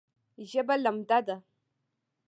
ژبه لمده ده